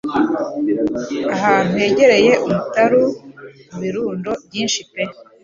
Ahantu hegereye umutaru mubirundo byinshi pe